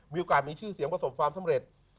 มีโอกาสมีชื่อเสียงประสบความสำเร็จ